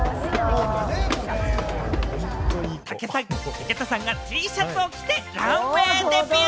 武田さんがＴシャツを着てランウェイデビュー。